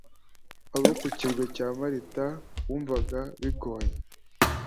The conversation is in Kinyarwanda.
abo ku kirwa cya Malita bumvaga bigoye